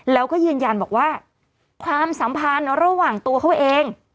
แล้วก็ยืนยันบอกว่าความสัมพันธ์ระหว่างตัวเขาเอง